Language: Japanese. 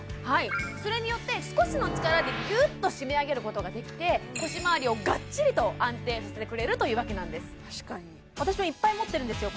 はいそれによって少しの力でギュッと締め上げることができて腰回りをガッチリと安定させてくれるというわけなんですあっ